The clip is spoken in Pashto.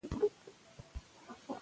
زده کړه نجونې د خپل حقونو په اړه پوهوي.